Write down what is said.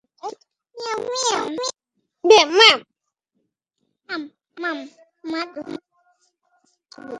বার্সেলোনায় প্রথম মৌসুমেই এসে তিন শিরোপা জয়ের কীর্তিটা করে দেখিয়েছেন পূর্বসূরি।